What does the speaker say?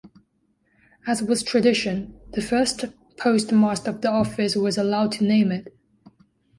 As was tradition, the first post-master of the office was allowed to name it.